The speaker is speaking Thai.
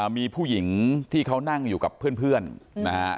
มีผู้หญิงที่เขานั่งอยู่กับเพื่อนนะฮะ